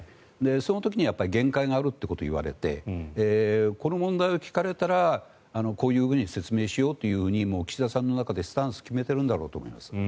その時には限界があるということを言われてこの問題を聞かれたらこういうふうに説明しようと岸田さんの中でスタンスを決めているんだと思います。